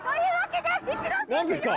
何ですか？